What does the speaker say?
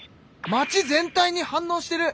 町全体に反応してる！